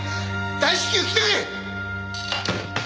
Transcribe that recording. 大至急来てくれ！